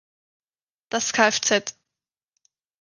Das "Kfz.